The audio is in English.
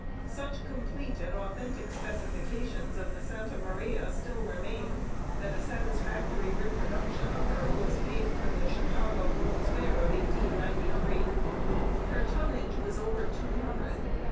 Such complete and authentic specifications of the Santa Maria still remain that a satisfactory reproduction of her was made for the Chicago World's Fair of 1893. Her tonnage was over two hundred.